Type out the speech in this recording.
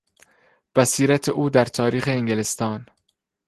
بصیرت او در تاریخ انگلستان